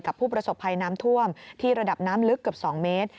ผู้ประสบภัยน้ำท่วมที่ระดับน้ำลึกเกือบ๒เมตร